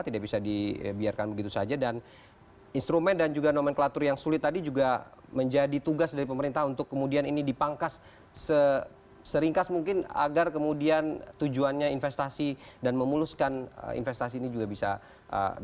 tidak bisa dibiarkan begitu saja dan instrumen dan juga nomenklatur yang sulit tadi juga menjadi tugas dari pemerintah untuk kemudian ini dipangkas seringkas mungkin agar kemudian tujuannya investasi dan memuluskan investasi ini juga bisa dilakukan